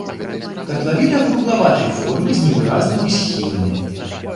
Катлавіна круглаватай формы з невыразнымі схіламі.